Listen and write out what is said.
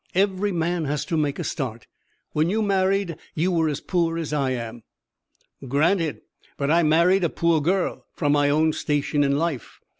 "Every man has to make a start. When you married, you were as poor as I am." "Granted! But I married a poor girl, from my own station in life.